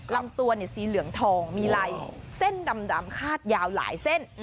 ลำตัวสีเหลืองทองมีลายเส้นดำคาดยาวหลายเส้น